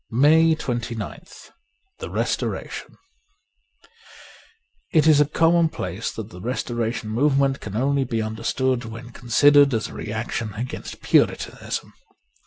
^ j62 MAY 29th THE RESTORATION IT is a commonplace that the Restoration Move ment can only be understood when considered as a reaction against Puritanism.